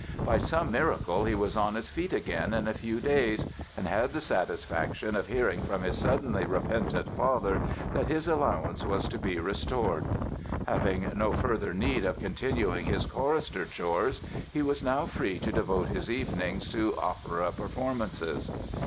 By some miracle he was on his feet again in a few days and had the satisfaction of hearing from his suddenly repentant father that his allowance was to be restored. Having no further need of continuing his chorister chores he was now free to devote his evenings to opera performances.